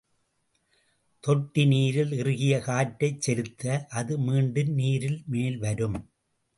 தொட்டி நீரில் இறுகிய காற்றைச் செலுத்த, அது மீண்டும் நீரில் மேல் வரும்.